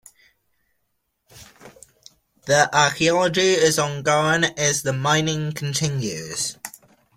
The archaeology is ongoing as the mining continues.